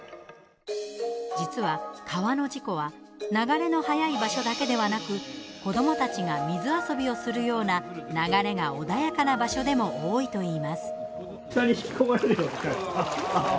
実は川の事故は流れの速い場所だけではなく子どもたちが水遊びをするような流れが穏やかな場所でも多いといいます。